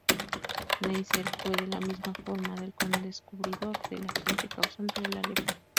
Neisser fue de la misma forma el codescubridor del agente causante de la lepra.